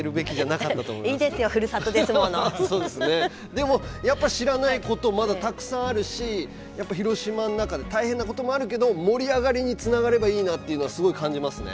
でもやっぱ知らないことまだたくさんあるしやっぱ広島の中で大変なこともあるけど盛り上がりにつながればいいなっていうのはすごい感じますね。